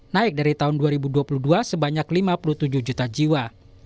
naik dari tahun dua ribu dua puluh dua sebanyak lima puluh tujuh juta jiwa